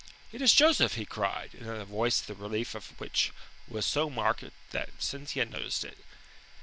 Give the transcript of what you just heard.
"It is Joseph!" he cried, in a voice the relief of which was so marked that Cynthia noticed it.